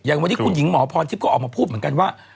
อย่างวันนี้คุณหญิงหมอพรทิพย์ก็ออกมาพูดเหมือนกันว่า